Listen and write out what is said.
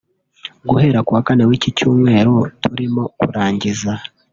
Guhera ku wa Kane w’iki cyumweru turimo kurangiza